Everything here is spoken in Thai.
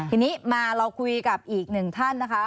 ทีนี้มาเราคุยกับอีกหนึ่งท่านนะคะ